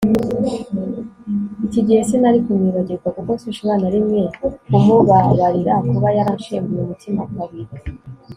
iki gihe sinari kumwibagirwa, kuko sinshobora na rimwe kumubabarira - kuba yaranshenguye umutima kabiri